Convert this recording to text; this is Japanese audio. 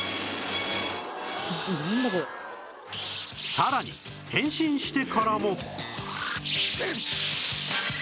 さらに変身してからも